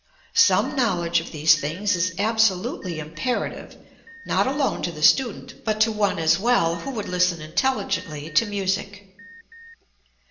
Some knowledge of these things is absolutely imperative, not alone to the student, but to one as well who would listen intelligently to music.